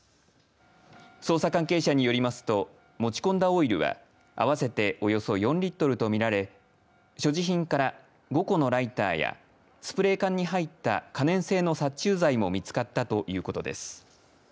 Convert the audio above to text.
捜査関係者によりますと持ち込んだオイルは合わせておよそ４リットルとみられ所持品から５個のライターやスプレー缶に入った可燃性の殺虫剤も見つかったということです。